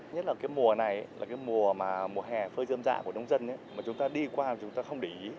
nhất là cái mùa này là cái mùa hè phơi dơm dạ của nông dân mà chúng ta đi qua mà chúng ta không để ý